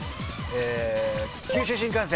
九州新幹線